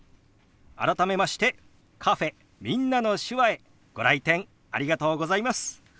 改めましてカフェ「みんなの手話」へご来店ありがとうございます。